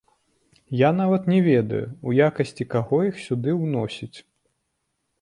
Я нават не ведаю, у якасці каго іх сюды ўносіць?